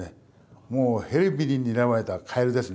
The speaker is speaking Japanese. もうヘビににらまれたカエルですね。